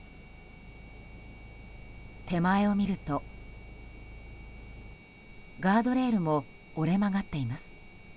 手前を見ると、ガードレールも折れ曲がっています。